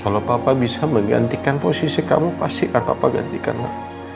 kalau papa bisa menggantikan posisi kamu pastikan papa gantikan ma